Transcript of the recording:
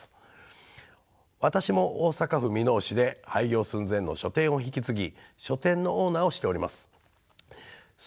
私も大阪府箕面市で廃業寸前の書店を引き継ぎ書店のオーナーをしております。